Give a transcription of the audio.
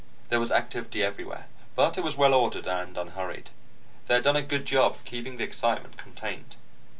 There was activity everywhere, but it was well ordered and unhurried. They had done a good job of keeping the excitement contained.